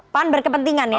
pan berkepentingan ya